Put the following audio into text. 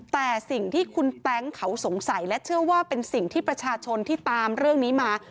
แต่สิ่งที่คุณแต๊งเขาสงสัยและเชื่อว่าเป็นสิ่งที่ประชาชนที่ตามเรื่องนี้มา